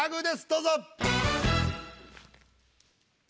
どうぞ。